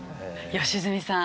良純さん